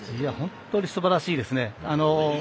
本当にすばらしいですね。